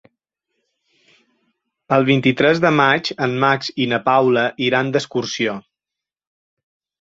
El vint-i-tres de maig en Max i na Paula iran d'excursió.